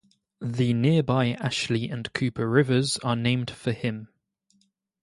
The nearby Ashley and Cooper rivers are named for him.